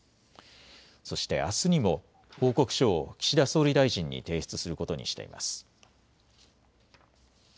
そしてあすにも報告書を岸田総理大臣に提出することにしています。